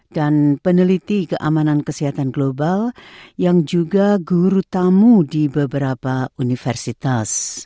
dan peneliti keamanan kesehatan global yang juga guru tamu di beberapa universitas